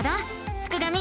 すくがミ